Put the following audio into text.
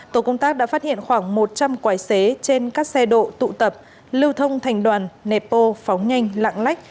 tổ công tác đã phát hiện khoảng một trăm linh quái xế trên các xe độ tụ tập lưu thông thành đoàn nepo phóng nhanh lãng lách